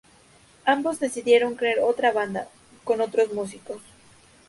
Ambos decidieron crear otra banda, con otros músicos.